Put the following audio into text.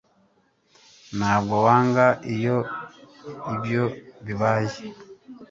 ntabwo wanga iyo ibyo bibaye